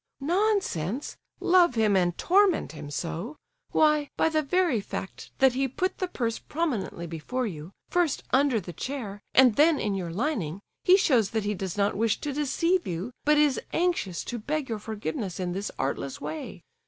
"Nonsense! love him and torment him so! Why, by the very fact that he put the purse prominently before you, first under the chair and then in your lining, he shows that he does not wish to deceive you, but is anxious to beg your forgiveness in this artless way.